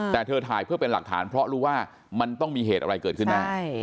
แต่เธอถ่ายเพื่อเป็นหลักฐานเพราะรู้ว่ามันต้องมีเหตุอะไรเกิดขึ้นแน่